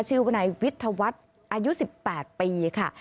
ชื่อบูนายวิธวัฒน์อายุ๑๘ปีค่ะ